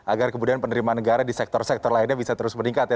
agar kemudian penerimaan negara di sektor sektor lainnya bisa terus meningkat ya